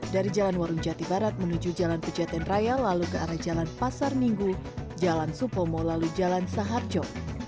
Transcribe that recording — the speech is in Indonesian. dari jalan warung jati barat menuju jalan pejaten raya lalu ke arah jalan pasar minggu jalan supomo lalu jalan saharjo